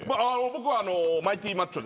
僕はマイティマッチョで。